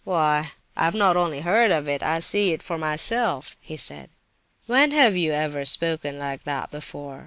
"Why, I've not only heard of it; I see it for myself," he said. "When have you ever spoken like that before?